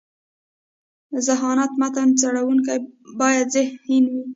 ذهانت: متن څړونکی باید ذهین يي.